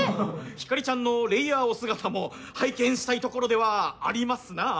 ひかりちゃんのレイヤーお姿も拝見したいところではありますな。